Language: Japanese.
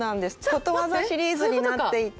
「ことわざシリーズ」になっていて。